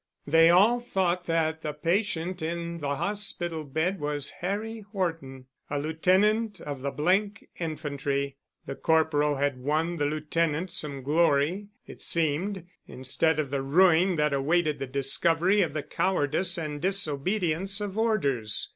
They all thought that the patient in the hospital bed was Harry Horton, a Lieutenant of the —th Infantry, The corporal had won the lieutenant some glory, it seemed, instead of the ruin that awaited the discovery of the cowardice and disobedience of orders.